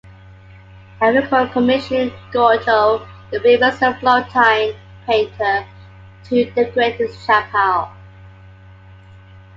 Enrico commissioned Giotto, the famous Florentine painter, to decorate his chapel.